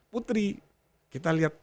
putri kita lihat